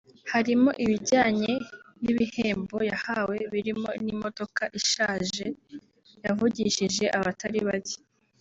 harimo ibijyanye n’ibihembo yahawe birimo n’imodoka ishaje yavugishije abatari bacye